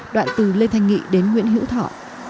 đoạn từ lê thanh nghị đến nguyễn hữu thọ